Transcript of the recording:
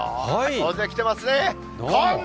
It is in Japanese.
大勢来てますね。